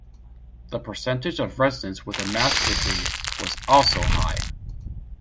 The percentage of residents with a master's degree was also high.